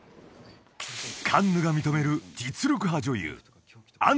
［カンヌが認める実力派］